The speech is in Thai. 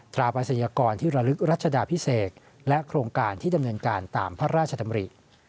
ราปัศยากรที่ระลึกรัชดาพิเศษและโครงการที่ดำเนินการตามพระราชดำริ